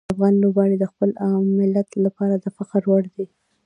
افغان لوبغاړي د خپل ملت لپاره د فخر وړ دي.